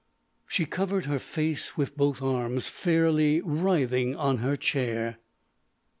She covered her face with both arms, fairly writhing on her chair.